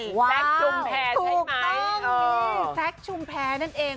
แซคชุ่มแพร่ใช่ไหมอ๋อถูกต้องนี่แซคชุ่มแพร่นั่นเอง